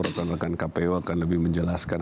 rekan rekan kpu akan lebih menjelaskan